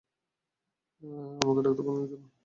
আমাকে ডাক্তার বানানোর জন্য।